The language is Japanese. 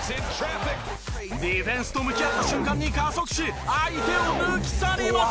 ディフェンスと向き合った瞬間に加速し相手を抜き去りました。